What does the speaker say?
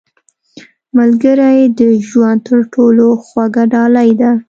• ملګری د ژوند تر ټولو خوږه ډالۍ ده.